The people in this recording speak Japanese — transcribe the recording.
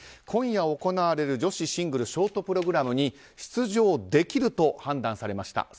今夜行われる女子シングルショートプログラムに出場できると判断されました。